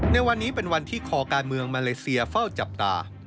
ในวันนี้เป็นวันที่คอการเมืองมาเลเซียเฝ้าจับตา